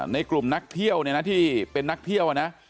ในกลุ่มนักเที่ยวเนี่ยนะที่เป็นนักเที่ยวนะ